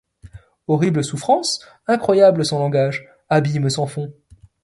Horribles souffrances, incroyables, sans langage! abîmes sans fond !